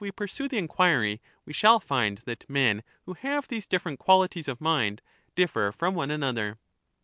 — pursue the enquiry, we shall find that men who have these '^^^ different qualities of mind differ from one another.